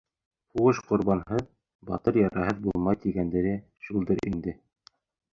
Һуғыш — ҡорбанһыҙ, батыр яраһыҙ булмай тигәндәре шулдыр инде...